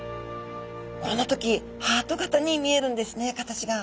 この時ハート形に見えるんですね形が。